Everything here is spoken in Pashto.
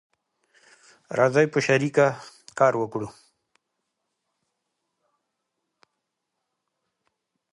راځی په شریکه کار وکړو